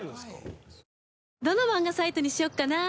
どの漫画サイトにしようかな？